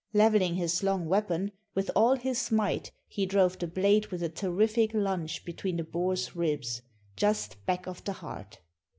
Levelling his long weapon, with all his might he drove the blade with a terrific lunge between the boar's ribs, just back of the heart.